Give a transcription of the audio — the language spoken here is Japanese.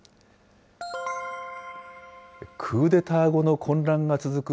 クーデター後の混乱が続く